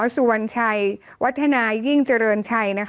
สุวรรณชัยวัฒนายิ่งเจริญชัยนะคะ